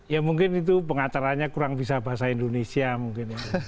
ya mungkin itu pengacaranya kurang bisa bahasa indonesia mungkin